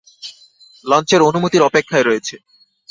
লঞ্চের অনুমতির অপেক্ষায় রয়েছে।